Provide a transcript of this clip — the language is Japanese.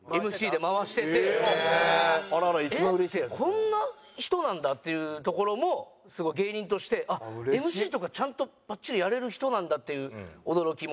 こんな人なんだっていうところもすごい芸人としてあっＭＣとかちゃんとバッチリやれる人なんだっていう驚きも。